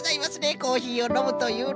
コーヒーをのむというのは。